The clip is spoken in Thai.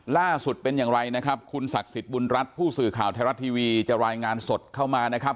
ล่าสุดเป็นอย่างไรนะครับคุณศักดิ์สิทธิ์บุญรัฐผู้สื่อข่าวไทยรัฐทีวีจะรายงานสดเข้ามานะครับ